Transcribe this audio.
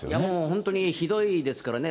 本当にひどいですからね。